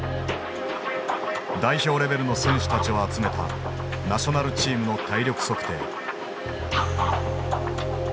代表レベルの選手たちを集めたナショナルチームの体力測定。